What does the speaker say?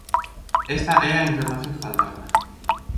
Esta é a información que faltaba.